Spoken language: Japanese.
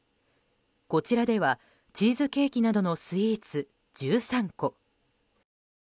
こちらでは、チーズケーキなどのスイーツ１３個。